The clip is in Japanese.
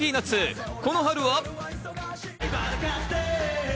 この春は。